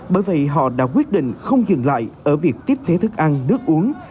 bởi vậy họ đã quyết định không dừng lại ở việc tiếp thế thức ăn nước uống